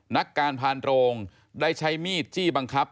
นักการพานโรงได้ใช้มีดจี้บังคับ